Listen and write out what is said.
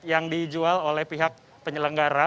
yang dijual oleh pihak penyelenggara